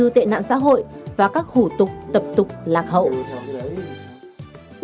trạng xã hội và các hủ tục tập tục lạc hậu